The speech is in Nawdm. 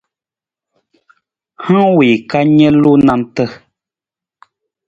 Hang wii ka nalu nanta.